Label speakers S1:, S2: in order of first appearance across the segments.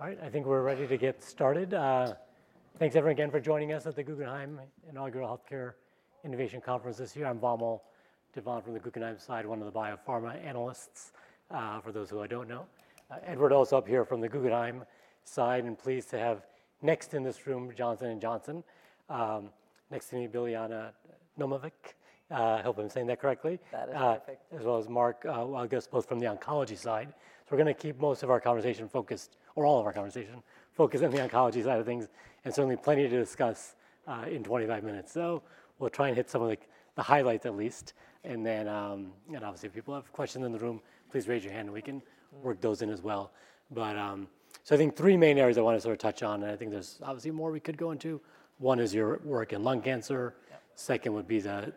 S1: All right, I think we're ready to get started. Thanks, everyone, again for joining us at the Guggenheim Inaugural Healthcare Innovation Conference this year. I'm Vamil Divan from the Guggenheim side, one of the biopharma analysts, for those who I don't know. And we're also up here from the Guggenheim side, and pleased to have next to me in this room, Johnson & Johnson. Next to me, Biljana Naumovic, I hope I'm saying that correctly. As well as Mark, our guest, both from the oncology side, so we're going to keep most of our conversation focused, or all of our conversation, focused on the oncology side of things, and certainly plenty to discuss in 25 minutes, so we'll try and hit some of the highlights at least, and then, obviously, if people have questions in the room, please raise your hand, and we can work those in as well, but so I think three main areas I want to sort of touch on, and I think there's obviously more we could go into. One is your work in lung cancer. Second would be the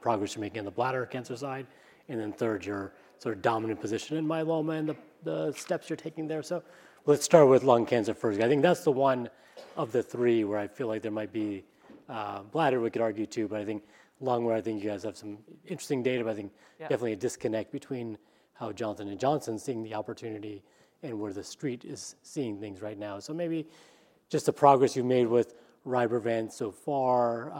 S1: progress you're making on the bladder cancer side. And then third, your sort of dominant position in myeloma and the steps you're taking there, so let's start with lung cancer first. I think that's the one of the three where I feel like there might be bladder, we could argue too, but I think lung, where I think you guys have some interesting data, but I think definitely a disconnect between how Johnson & Johnson's seeing the opportunity and where the street is seeing things right now. So maybe just the progress you've made with Rybrevant so far,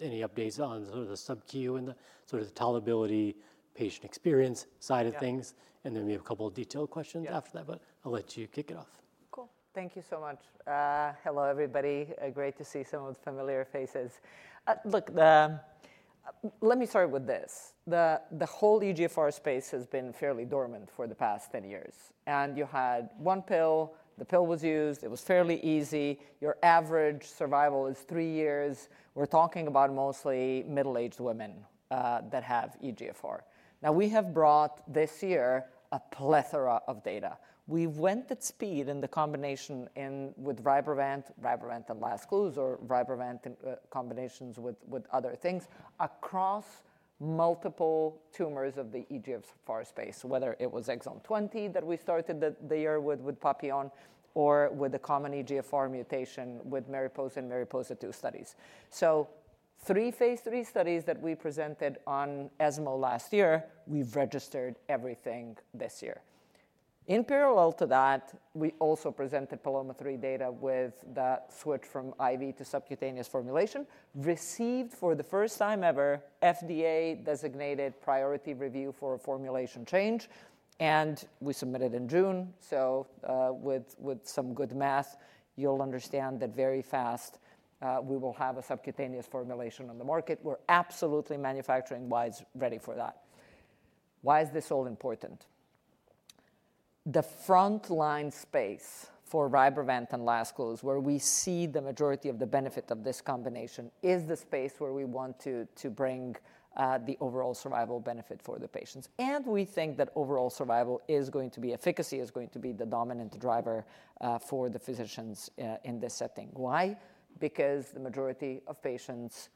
S1: any updates on sort of the sub-Q and the sort of tolerability, patient experience side of things. And then we have a couple of detailed questions after that, but I'll let you kick it off.
S2: Cool. Thank you so much. Hello, everybody. Great to see some of the familiar faces. Look, let me start with this. The whole EGFR space has been fairly dormant for the past 10 years, and you had one pill, the pill was used, it was fairly easy. Your average survival is three years. We're talking about mostly middle-aged women that have EGFR. Now, we have brought this year a plethora of data. We went at speed in the combination with Rybrevant, Rybrevant and Lazcluze, or Rybrevant combinations with other things across multiple tumors of the EGFR space, whether it was exon 20 that we started the year with PAPILLON or with a common EGFR mutation with MARIPOSA and MARIPOSA-2 studies, so three phase three studies that we presented on ESMO last year, we've registered everything this year. In parallel to that, we also presented PALOMA-3 data with the switch from IV to subcutaneous formulation, received for the first time ever FDA designated priority review for formulation change. And we submitted in June. So with some good math, you'll understand that very fast we will have a subcutaneous formulation on the market. We're absolutely manufacturing-wise ready for that. Why is this all important? The frontline space for Rybrevant and Lazcluze, where we see the majority of the benefit of this combination, is the space where we want to bring the overall survival benefit for the patients. And we think that overall survival is going to be efficacy is going to be the dominant driver for the physicians in this setting. Why? Because the majority of patients,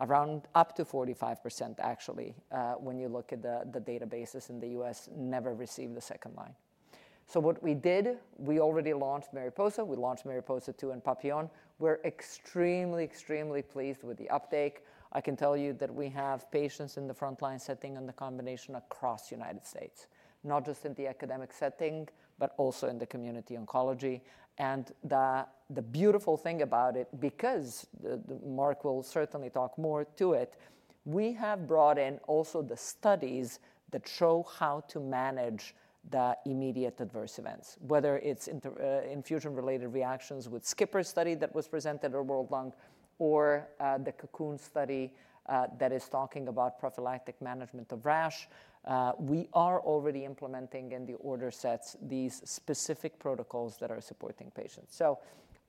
S2: around up to 45% actually, when you look at the databases in the U.S., never receive the second line. What we did, we already launched MARIPOSA, we launched MARIPOSA-2 and PAPILLON. We're extremely, extremely pleased with the uptake. I can tell you that we have patients in the frontline setting on the combination across the United States, not just in the academic setting, but also in the community oncology. And the beautiful thing about it, because Mark will certainly talk more to it, we have brought in also the studies that show how to manage the immediate adverse events, whether it's infusion-related reactions with SKIPPirr study that was presented at World Lung or the COCOON study that is talking about prophylactic management of rash. We are already implementing in the order sets these specific protocols that are supporting patients. So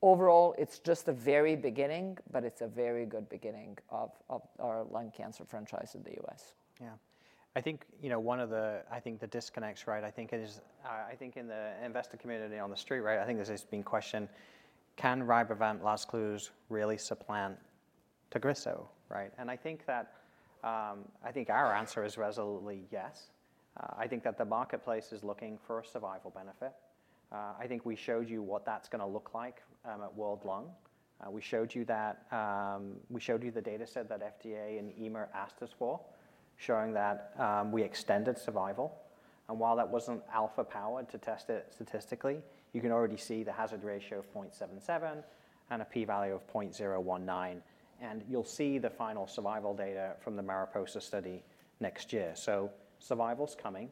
S2: overall, it's just the very beginning, but it's a very good beginning of our lung cancer franchise in the U.S.
S1: Yeah. I think, you know, one of the, I think the disconnects, right? I think it is. I think in the investor community on the street, right, I think there's this being questioned: can Rybrevant, Lazcluze really supplant Tagrisso, right, and I think that, I think our answer is resolutely yes. I think that the marketplace is looking for a survival benefit. I think we showed you what that's going to look like at World Lung. We showed you that, we showed you the dataset that FDA and EMA asked us for, showing that we extended survival, and while that wasn't alpha powered to test it statistically, you can already see the hazard ratio of 0.77 and a p-value of 0.019. And you'll see the final survival data from the MARIPOSA study next year, so survival's coming.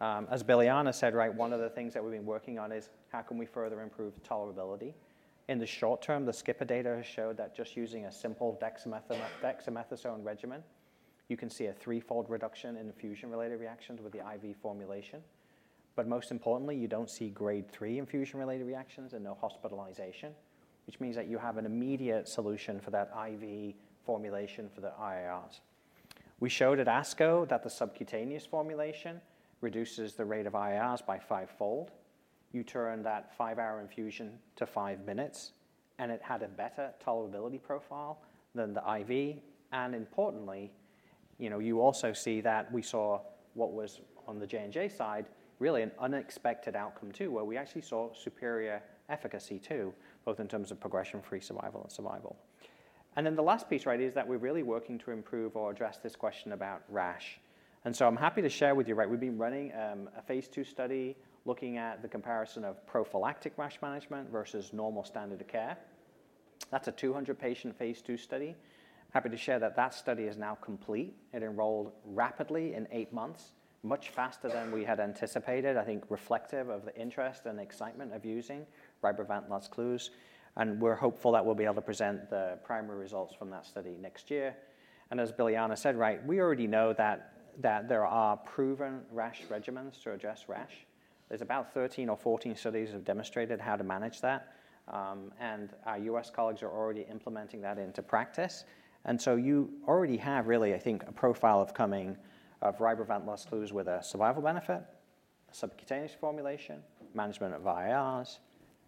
S1: As Biljana said, right, one of the things that we've been working on is how can we further improve tolerability? In the short term, the SKIPPirr data has showed that just using a simple dexamethasone regimen, you can see a threefold reduction in infusion-related reactions with the IV formulation. But most importantly, you don't see grade three infusion-related reactions and no hospitalization, which means that you have an immediate solution for that IV formulation for the IRRs. We showed at ASCO that the subcutaneous formulation reduces the rate of IRRs by fivefold. You turn that five-hour infusion to five minutes, and it had a better tolerability profile than the IV. Importantly, you know, you also see that we saw what was on the J&J side, really an unexpected outcome too, where we actually saw superior efficacy too, both in terms of progression-free survival and survival. Then the last piece, right, is that we're really working to improve or address this question about rash. So I'm happy to share with you, right, we've been running a phase two study looking at the comparison of prophylactic rash management versus normal standard of care. That's a 200-patient phase two study. Happy to share that that study is now complete. It enrolled rapidly in eight months, much faster than we had anticipated, I think reflective of the interest and excitement of using Rybrevant, Lazcluze. We're hopeful that we'll be able to present the primary results from that study next year. As Biljana said, right, we already know that there are proven rash regimens to address rash. There's about 13 or 14 studies that have demonstrated how to manage that. Our U.S. colleagues are already implementing that into practice. You already have really, I think, a profile of coming of Rybrevant, Lazcluze with a survival benefit, a subcutaneous formulation, management of IRRs,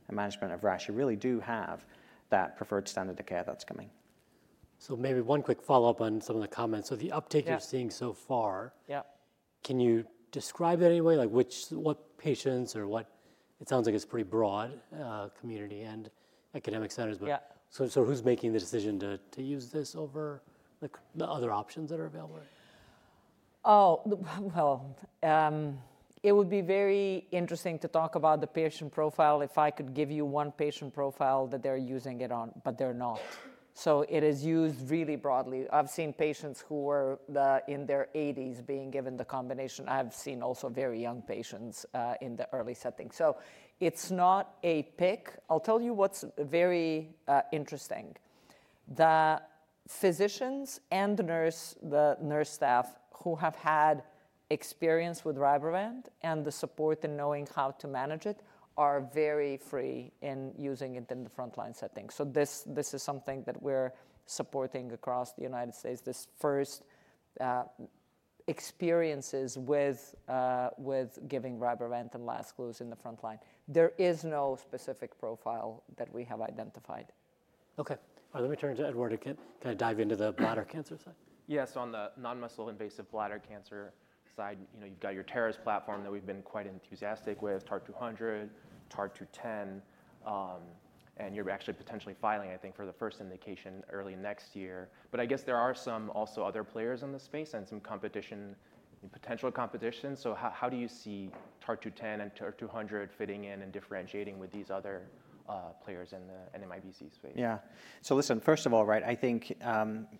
S1: and management of rash. You really do have that preferred standard of care that's coming.
S3: So maybe one quick follow-up on some of the comments. So the uptake you're seeing so far, can you describe it anyway? Like which, what patients or what, it sounds like it's a pretty broad community and academic centers, but so who's making the decision to use this over the other options that are available?
S2: Oh, well, it would be very interesting to talk about the patient profile if I could give you one patient profile that they're using it on, but they're not. So it is used really broadly. I've seen patients who were in their 80s being given the combination. I've seen also very young patients in the early setting. So it's not a pick. I'll tell you what's very interesting. The physicians and the nurse, the nurse staff who have had experience with Rybrevant and the support in knowing how to manage it are very free in using it in the frontline setting. So this is something that we're supporting across the United States, this first experiences with giving Rybrevant and Lazcluze in the frontline. There is no specific profile that we have identified.
S3: Okay. All right, let me turn to Edward to kind of dive into the bladder cancer side.
S1: Yeah, so on the non-muscle-invasive bladder cancer side, you know, you've got your TARIS platform that we've been quite enthusiastic with, TAR-200, TAR-210, and you're actually potentially filing, I think, for the first indication early next year. But I guess there are some also other players in the space and some competition, potential competition. So how do you see TAR-210 and TAR-200 fitting in and differentiating with these other players in the NMIBC space?
S3: Yeah. So listen, first of all, right? I think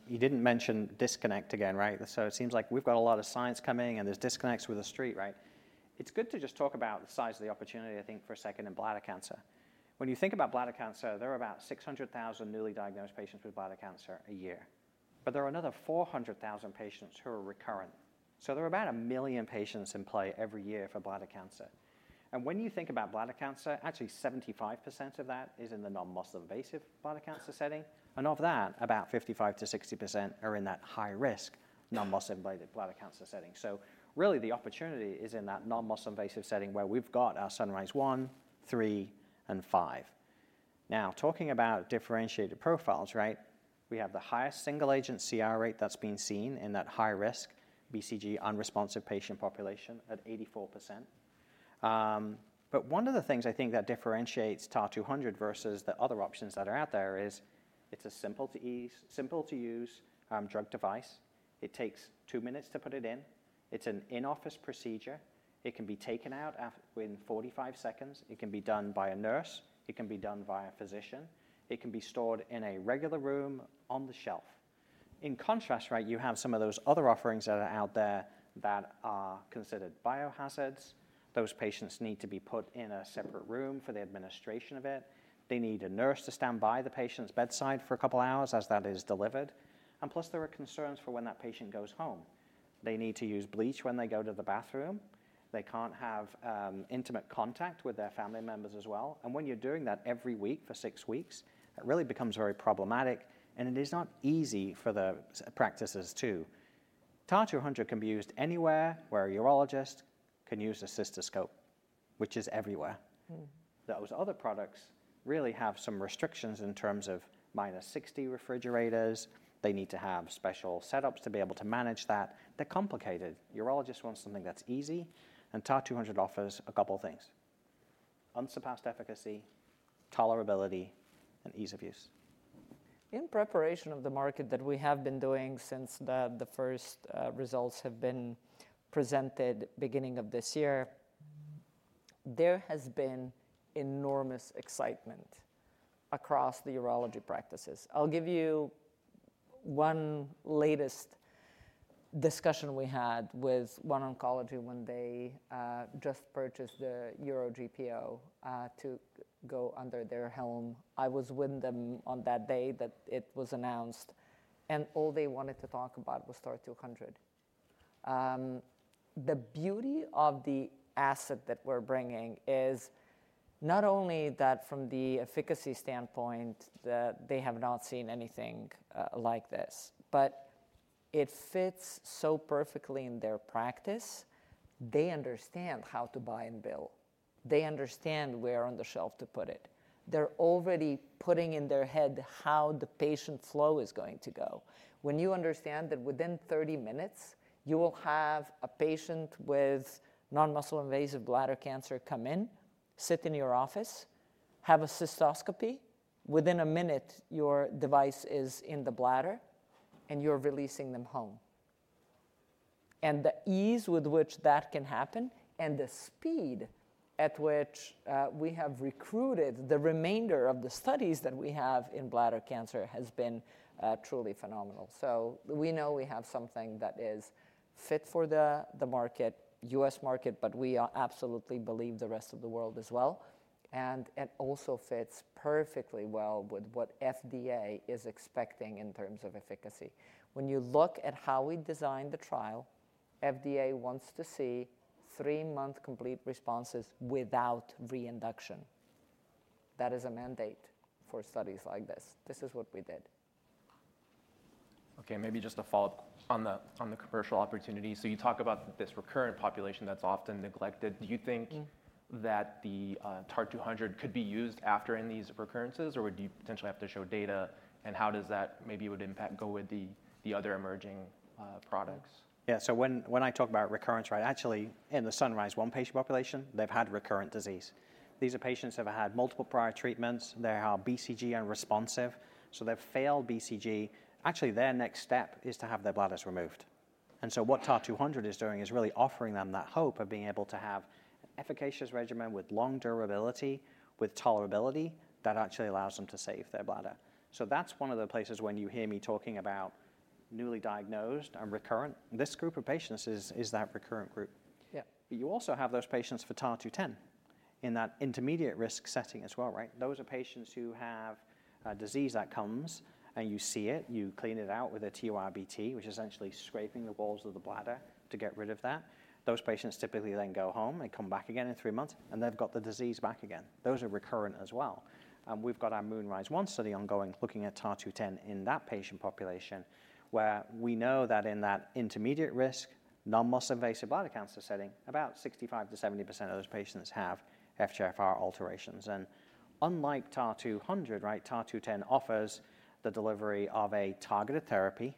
S3: you didn't mention disconnect again, right? So it seems like we've got a lot of science coming and there's disconnects with the street, right? It's good to just talk about the size of the opportunity, I think, for a second in bladder cancer. When you think about bladder cancer, there are about 600,000 newly diagnosed patients with bladder cancer a year. But there are another 400,000 patients who are recurrent. So there are about a million patients in play every year for bladder cancer. And when you think about bladder cancer, actually 75% of that is in the non-muscle invasive bladder cancer setting. And of that, about 55%-60% are in that high-risk non-muscle invasive bladder cancer setting. So really the opportunity is in that non-muscle invasive setting where we've got our SunRISe-1, 3, and 5. Now talking about differentiated profiles, right, we have the highest single-agent CR rate that's been seen in that high-risk BCG unresponsive patient population at 84%. But one of the things I think that differentiates TAR-200 versus the other options that are out there is it's a simple to use drug device. It takes two minutes to put it in. It's an in-office procedure. It can be taken out in 45 seconds. It can be done by a nurse. It can be done by a physician. It can be stored in a regular room on the shelf. In contrast, right, you have some of those other offerings that are out there that are considered biohazards. Those patients need to be put in a separate room for the administration of it. They need a nurse to stand by the patient's bedside for a couple of hours as that is delivered. Plus, there are concerns for when that patient goes home. They need to use bleach when they go to the bathroom. They can't have intimate contact with their family members as well. And when you're doing that every week for six weeks, that really becomes very problematic. And it is not easy for the practices too. TAR-200 can be used anywhere where a urologist can use a cystoscope, which is everywhere. Those other products really have some restrictions in terms of minus 60 refrigerators. They need to have special setups to be able to manage that. They're complicated. Urologists want something that's easy. And TAR-200 offers a couple of things: unsurpassed efficacy, tolerability, and ease of use.
S2: In preparation of the market that we have been doing since the first results have been presented beginning of this year, there has been enormous excitement across the urology practices. I'll give you one latest discussion we had with OneOncology when they just purchased the UroGPO to go under their helm. I was with them on that day that it was announced, and all they wanted to talk about was TAR-200. The beauty of the asset that we're bringing is not only that from the efficacy standpoint, they have not seen anything like this, but it fits so perfectly in their practice. They understand how to buy and bill. They understand where on the shelf to put it. They're already putting in their head how the patient flow is going to go. When you understand that within 30 minutes, you will have a patient with non-muscle-invasive bladder cancer come in, sit in your office, have a cystoscopy, within a minute, your device is in the bladder, and you're releasing them home. And the ease with which that can happen and the speed at which we have recruited the remainder of the studies that we have in bladder cancer has been truly phenomenal. So we know we have something that is fit for the market, U.S. market, but we absolutely believe the rest of the world as well. And it also fits perfectly well with what FDA is expecting in terms of efficacy. When you look at how we designed the trial, FDA wants to see three-month complete responses without reinduction. That is a mandate for studies like this. This is what we did.
S1: Okay, maybe just a follow-up on the commercial opportunity. So you talk about this recurrent population that's often neglected. Do you think that the TAR-200 could be used after in these recurrences, or would you potentially have to show data? And how does that maybe would impact go with the other emerging products?
S3: Yeah, so when I talk about recurrence, right, actually in the SunRISe-1 patient population, they've had recurrent disease. These are patients who have had multiple prior treatments. They are BCG unresponsive. So they've failed BCG. Actually, their next step is to have their bladders removed. And so what TAR-200 is doing is really offering them that hope of being able to have an efficacious regimen with long durability, with tolerability that actually allows them to save their bladder. So that's one of the places when you hear me talking about newly diagnosed and recurrent. This group of patients is that recurrent group.
S2: Yeah.
S3: But you also have those patients for TAR-210 in that intermediate risk setting as well, right? Those are patients who have a disease that comes and you see it, you clean it out with a TURBT, which is essentially scraping the walls of the bladder to get rid of that. Those patients typically then go home and come back again in three months, and they've got the disease back again. Those are recurrent as well. And we've got our MoonRISe-1 study ongoing looking at TAR-210 in that patient population where we know that in that intermediate risk, non-muscle invasive bladder cancer setting, about 65%-70% of those patients have FGFR alterations. And unlike TAR-200, right, TAR-210 offers the delivery of a targeted therapy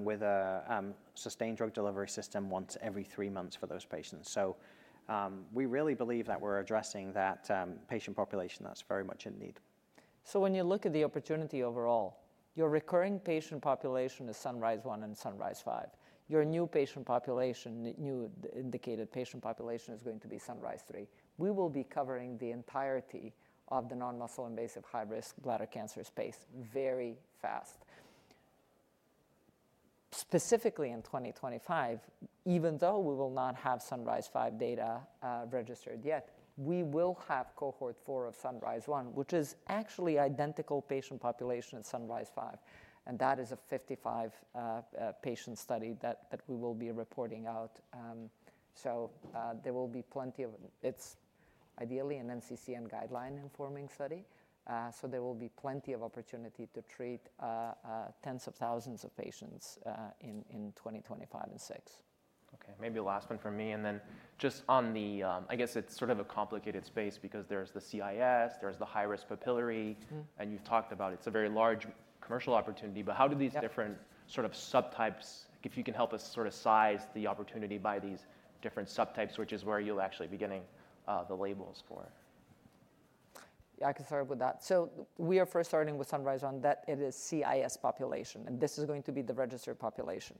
S3: with a sustained drug delivery system once every three months for those patients. So we really believe that we're addressing that patient population that's very much in need.
S2: So when you look at the opportunity overall, your recurring patient population is SunRISe-1 and SunRISe-5. Your new patient population, new indicated patient population is going to be SunRISe-3. We will be covering the entirety of the non-muscle-invasive high-risk bladder cancer space very fast. Specifically in 2025, even though we will not have SunRISe-5 data registered yet, we will have cohort 4 of SunRISe-1, which is actually identical patient population in SunRISe-5. And that is a 55-patient study that we will be reporting out. So there will be plenty of, it's ideally an NCCN guideline-informing study. So there will be plenty of opportunity to treat tens of thousands of patients in 2025 and 2026.
S1: Okay, maybe a last one for me. And then just on the, I guess it's sort of a complicated space because there's the CIS, there's the high-risk papillary, and you've talked about it's a very large commercial opportunity, but how do these different sort of subtypes, if you can help us sort of size the opportunity by these different subtypes, which is where you'll actually be getting the labels for?
S2: Yeah, I can start with that. So we are first starting with SunRISe-1 that it is CIS population, and this is going to be the registered population.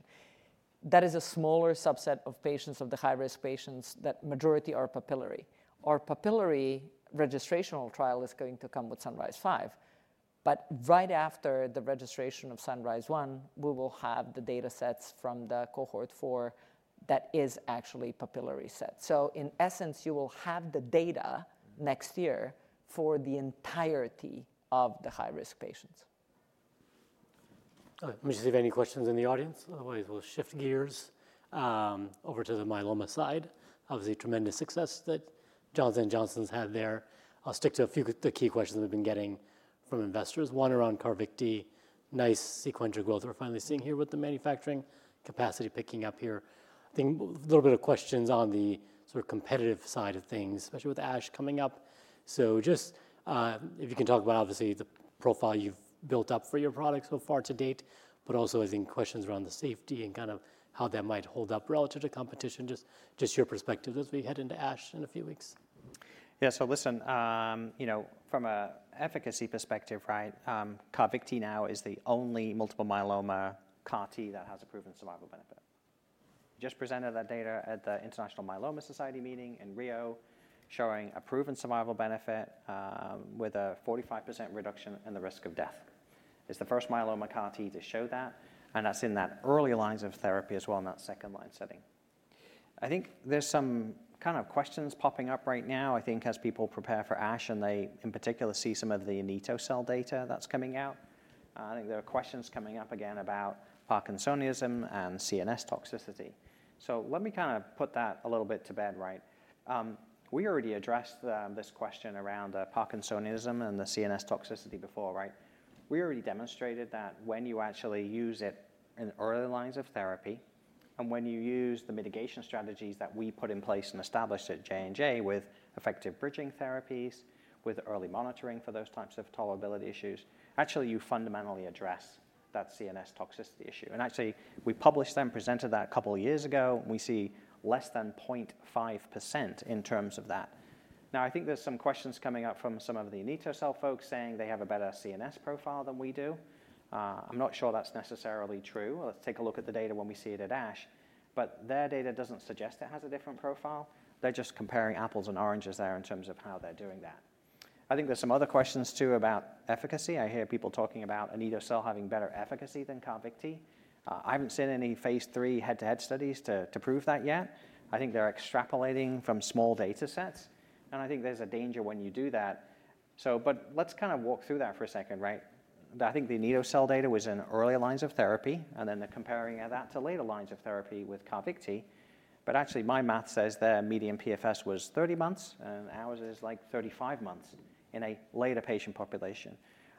S2: That is a smaller subset of patients of the high-risk patients that majority are papillary. Our papillary registration trial is going to come with SunRISe-5, but right after the registration of SunRISe-1, we will have the data sets from the cohort four that is actually papillary set. So in essence, you will have the data next year for the entirety of the high-risk patients.
S3: Let me just see if any questions in the audience. Otherwise, we'll shift gears over to the myeloma side. Obviously, tremendous success that Johnson & Johnson's had there. I'll stick to a few of the key questions we've been getting from investors. One around Carvykti, nice sequential growth we're finally seeing here with the manufacturing capacity picking up here. I think a little bit of questions on the sort of competitive side of things, especially with ASH coming up. So just if you can talk about obviously the profile you've built up for your product so far to date, but also I think questions around the safety and kind of how that might hold up relative to competition, just your perspective as we head into ASH in a few weeks.
S1: Yeah, so listen, you know, from an efficacy perspective, right, Carvykti now is the only multiple myeloma CAR-T that has a proven survival benefit. Just presented that data at the International Myeloma Society meeting in Rio showing a proven survival benefit with a 45% reduction in the risk of death. It's the first myeloma CAR-T to show that, and that's in that early lines of therapy as well in that second line setting. I think there's some kind of questions popping up right now, I think as people prepare for ASH and they in particular see some of the anito-cel data that's coming out. I think there are questions coming up again about Parkinsonism and CNS toxicity. So let me kind of put that a little bit to bed, right? We already addressed this question around Parkinsonism and the CNS toxicity before, right? We already demonstrated that when you actually use it in early lines of therapy and when you use the mitigation strategies that we put in place and established at J&J with effective bridging therapies, with early monitoring for those types of tolerability issues, actually you fundamentally address that CNS toxicity issue. And actually we published them, presented that a couple of years ago, we see less than 0.5% in terms of that. Now I think there's some questions coming up from some of the anito-cel folks saying they have a better CNS profile than we do. I'm not sure that's necessarily true. Let's take a look at the data when we see it at ASH, but their data doesn't suggest it has a different profile. They're just comparing apples and oranges there in terms of how they're doing that. I think there's some other questions too about efficacy. I hear people talking about anito-cel having better efficacy than Carvykti. I haven't seen any phase 3 head-to-head studies to prove that yet. I think they're extrapolating from small data sets, and I think there's a danger when you do that, so but let's kind of walk through that for a second, right? I think the anito-cel data was in early lines of therapy and then they're comparing that to later lines of therapy with Carvykti, but actually my math says their median PFS was 30 months and ours is like 35 months in a later patient population.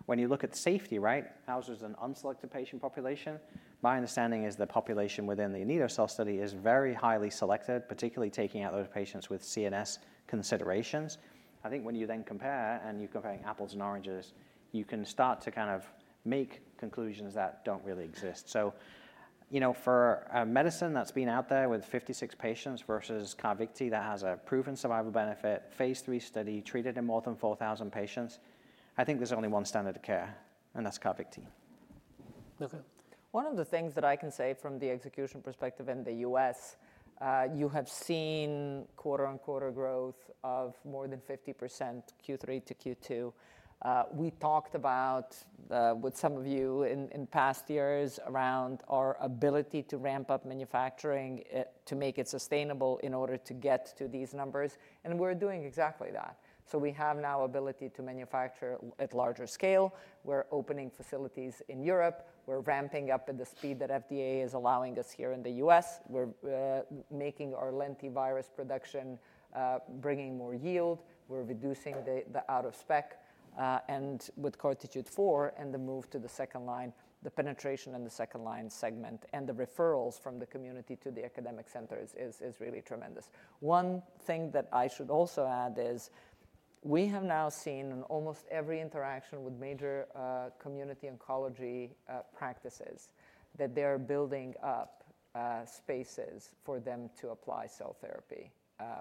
S1: When you look at safety, right, ours is an unselected patient population. My understanding is the population within the anito-cel study is very highly selected, particularly taking out those patients with CNS considerations. I think when you then compare and you're comparing apples and oranges, you can start to kind of make conclusions that don't really exist, so you know, for a medicine that's been out there with 56 patients versus Carvykti that has a proven survival benefit, phase three study treated in more than 4,000 patients, I think there's only one standard of care, and that's Carvykti.
S2: Okay. One of the things that I can say from the execution perspective in the US, you have seen quarter-on-quarter growth of more than 50% Q3 to Q2. We talked about with some of you in past years around our ability to ramp up manufacturing to make it sustainable in order to get to these numbers. And we're doing exactly that. So we have now ability to manufacture at larger scale. We're opening facilities in Europe. We're ramping up at the speed that FDA is allowing us here in the US. We're making our lentivirus production, bringing more yield. We're reducing the out-of-spec. And with CARTITUDE-4 and the move to the second line, the penetration in the second line segment and the referrals from the community to the academic centers is really tremendous. One thing that I should also add is we have now seen in almost every interaction with major community oncology practices that they're building up spaces for them to apply cell therapy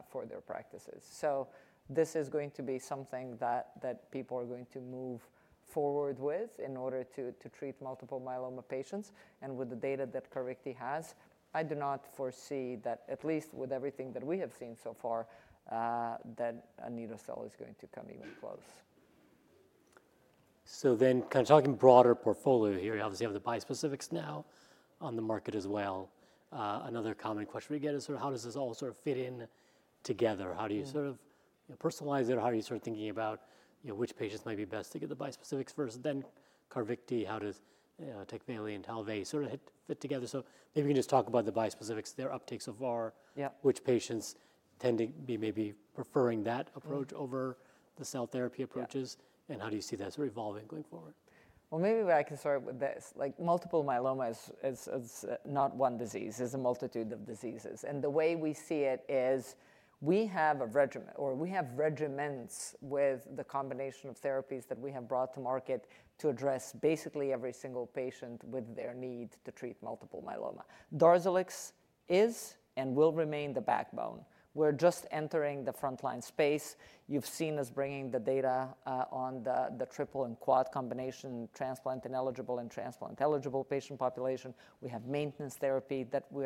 S2: for their practices. So this is going to be something that people are going to move forward with in order to treat multiple myeloma patients. And with the data that Carvykti has, I do not foresee that at least with everything that we have seen so far, that anito-cel is going to come even close.
S3: So then kind of talking broader portfolio here, obviously have the bispecifics now on the market as well. Another common question we get is sort of how does this all sort of fit in together? How do you sort of personalize it or how are you sort of thinking about which patients might be best to get the bispecifics versus then Carvykti, how does Tecvayli and Talvey sort of fit together? So maybe we can just talk about the bispecifics, their uptakes so far, which patients tend to be maybe preferring that approach over the cell therapy approaches and how do you see that sort of evolving going forward?
S2: Maybe I can start with this. Like multiple myeloma is not one disease. It's a multitude of diseases. And the way we see it is we have a regimen or we have regimens with the combination of therapies that we have brought to market to address basically every single patient with their need to treat multiple myeloma. Darzalex is and will remain the backbone. We're just entering the frontline space. You've seen us bringing the data on the triple and quad combination transplant ineligible and transplant eligible patient population. We have maintenance therapy that we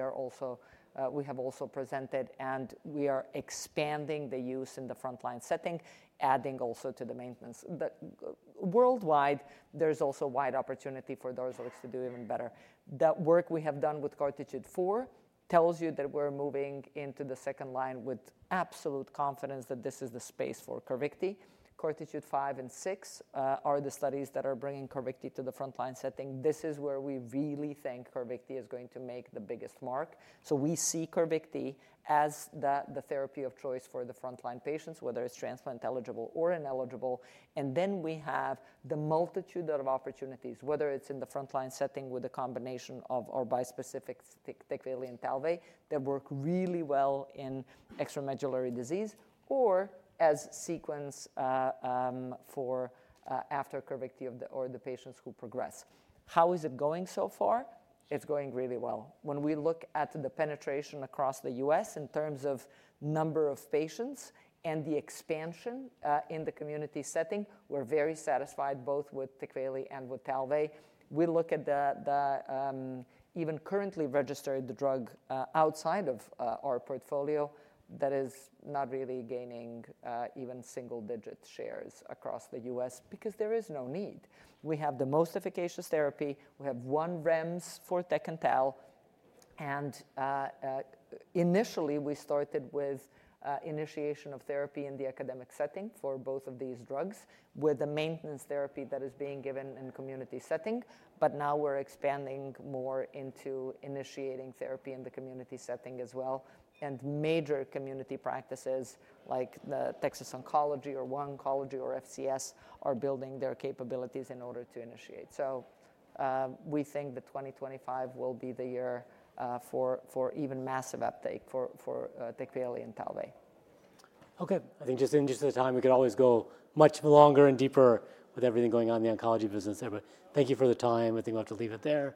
S2: have also presented and we are expanding the use in the frontline setting, adding also to the maintenance. Worldwide, there's also wide opportunity for Darzalex to do even better. That work we have done with CARTITUDE-4 tells you that we're moving into the second line with absolute confidence that this is the space for Carvykti. CARTITUDE-5 and 6 are the studies that are bringing Carvykti to the frontline setting. This is where we really think Carvykti is going to make the biggest mark. So we see Carvykti as the therapy of choice for the frontline patients, whether it's transplant eligible or ineligible. And then we have the multitude of opportunities, whether it's in the frontline setting with a combination of our bispecific Tecvayli and Talvey that work really well in extramedullary disease or as sequence for after Carvykti or the patients who progress. How is it going so far? It's going really well. When we look at the penetration across the U.S. in terms of number of patients and the expansion in the community setting, we're very satisfied both with Tecvayli and with Talvey. We look at the even currently registered drug outside of our portfolio that is not really gaining even single digit shares across the U.S. because there is no need. We have the most efficacious therapy. We have one REMS for Tec and Tal. Initially we started with initiation of therapy in the academic setting for both of these drugs with the maintenance therapy that is being given in community setting. But now we're expanding more into initiating therapy in the community setting as well. Major community practices like Texas Oncology or OneOncology or FCS are building their capabilities in order to initiate. So we think that 2025 will be the year for even massive uptake for Tecvayli and Talvey.
S3: Okay. I think just in the interest of the time, we could always go much longer and deeper with everything going on in the oncology business there. But thank you for the time. I think we'll have to leave it there.